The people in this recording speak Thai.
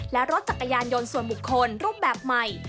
และรถจักรยานยนต์ส่วนบุคคลรูปแบบใหม่